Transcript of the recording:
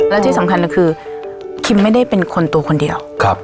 แล้วที่สำคัญคือคิมไม่ได้เป็นคนตัวคนเดียว